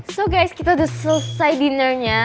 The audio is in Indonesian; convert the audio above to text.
so guys kita udah selesai dinnernya